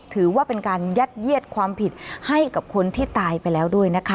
ถือว่าเป็นการยัดเยียดความผิดให้กับคนที่ตายไปแล้วด้วยนะคะ